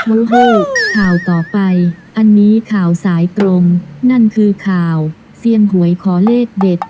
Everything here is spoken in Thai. โอ้โหข่าวต่อไปอันนี้ข่าวสายตรงนั่นคือข่าวเซียนหวยขอเลขเด็ด